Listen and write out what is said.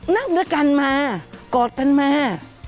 นั่งด้วยกันมากอดกันมา